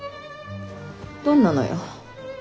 どんなのよ？